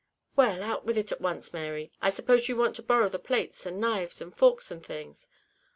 "Well, out with it at once, Mary; I suppose you want to borrow the plates, and knives, and forks, and things?"